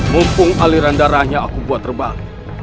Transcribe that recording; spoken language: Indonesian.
mumpung aliran darahnya aku buat terbang